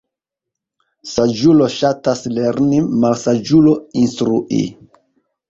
Saĝulo ŝatas lerni, malsaĝulo instrui.